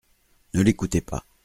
Ne l’écoutez pas !